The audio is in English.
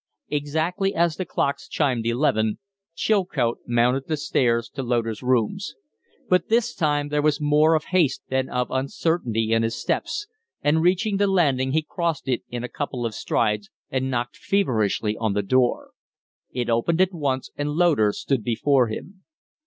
Exactly as the clocks chimed eleven Chilcote mounted the stairs to Loder's rooms. But this time there was more of haste than of uncertainty in his steps, and, reaching the landing, he crossed it in a couple of strides and knocked feverishly on the door. It opened at once, and Loder stood before him.